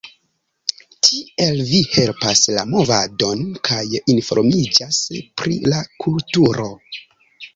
Tiel vi helpas la movadon kaj informiĝas pri la kulturo.